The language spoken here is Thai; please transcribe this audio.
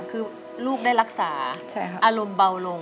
คือลูกได้รักษาอารมณ์เบาลง